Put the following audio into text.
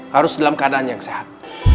harus dalam keadaan yang sehat